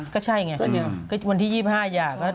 ก็ใช่ไงวันที่๒๕หย่าก็